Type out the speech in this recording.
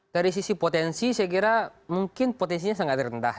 dari sisi potensi saya kira mungkin potensinya sangat rendah